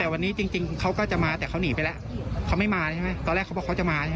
แต่วันนี้จริงเขาก็จะมาแต่เขาหนีไปแล้วเขาไม่มาใช่ไหมตอนแรกเขาบอกเขาจะมาใช่ไหม